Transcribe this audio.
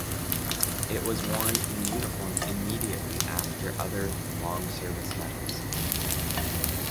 It was worn in uniform immediately after other long service medals.